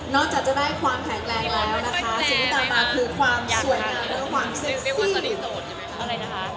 นอกจากจะได้ความแทนแรงแล้วอะไรซี่นว่าสด